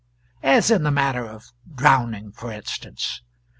As in the matter of drowning, for instance.